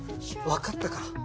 わかったから。